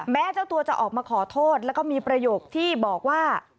เจ้าตัวจะออกมาขอโทษแล้วก็มีประโยคที่บอกว่า